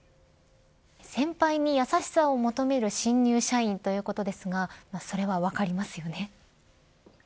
先輩に優しさを求める新入社員ということですがそれは分かりますよね。